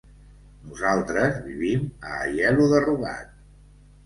Nosaltres vivim a Aielo de Rugat.